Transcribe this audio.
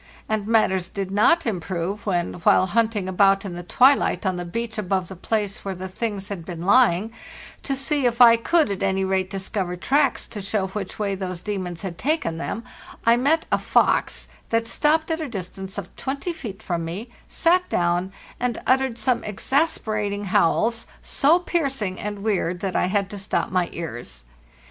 And matters did not improve when, while hunting about in the twilight on the beach above the place where the things had been lying, to see if I could at any rate discover tracks to show which way those demons had taken them, I met a fox that stopped at a distance of 20 feet from me, sat down, and uttered some exasperating howls, so piercing and weird that | had to stop my ears.